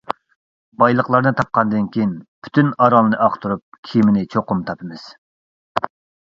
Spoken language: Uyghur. بايلىقلارنى تاپقاندىن كېيىن پۈتۈن ئارالنى ئاختۇرۇپ كېمىنى چوقۇم تاپىمىز.